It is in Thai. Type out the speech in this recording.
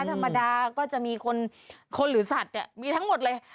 ธรรมดาก็จะมีคนหรือสัตว์มีทั้งหมดเลย